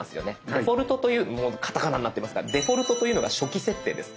デフォルトというカタカナになってますがデフォルトというのが初期設定です。